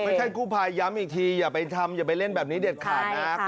ไม่ใช่กู้ภัยย้ำอีกทีอย่าไปทำอย่าไปเล่นแบบนี้เด็ดขาดนะ